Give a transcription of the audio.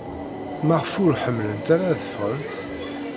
Maɣef ur ḥemmlent ara ad ffɣent?